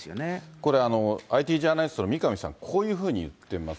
これ、ＩＴジャーナリストの三上さん、こういうふうに言ってます。